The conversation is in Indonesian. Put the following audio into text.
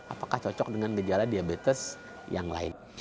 apakah cocok dengan gejala diabetes yang lain